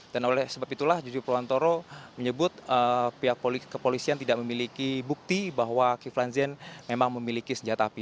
oleh sebab itulah juju puantoro menyebut pihak kepolisian tidak memiliki bukti bahwa kiflan zen memang memiliki senjata api